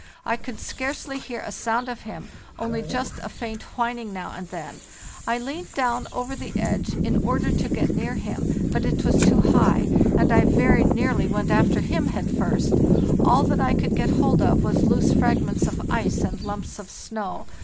I could scarcely hear a sound of him, only just a faint whining noise now and then. I leaned down over the edge in order to get near him, but it was too high, and I very nearly went after him head first; all that I could get hold of was loose fragments of ice and lumps of snow.